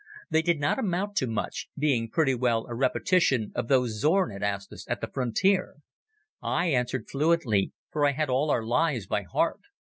They did not amount to much, being pretty well a repetition of those Zorn had asked us at the frontier. I answered fluently, for I had all our lies by heart.